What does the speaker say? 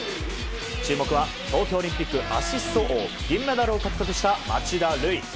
注目は東京オリンピック、アシスト王銀メダルを獲得した町田瑠唯。